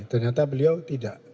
ternyata beliau tidak